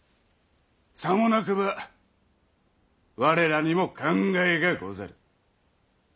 さもなくば我らにも考えがござる。